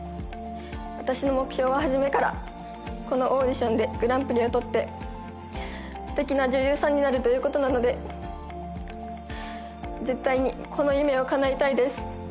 私の目標は初めからこのオーディションでグランプリをとって素敵な女優さんになるということなので絶対にこの夢をかなえたいです